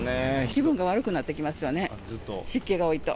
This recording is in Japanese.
気分が悪くなってきますよね、湿気が多いと。